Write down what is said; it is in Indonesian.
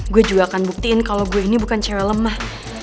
gue juga akan buktiin kalau gue ini bukan cewek lemah